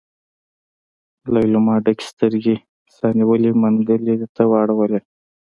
ليلما ډکې سترګې سا نيولي منګلي ته واړولې.